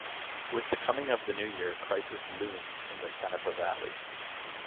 With the coming of the new year, crisis loomed in the Cenepa valley.